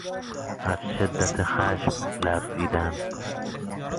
از شدت خشم لرزیدن